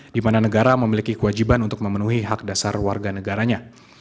di mana negara memiliki kewajiban untuk memenuhi hak dasar warga negaranya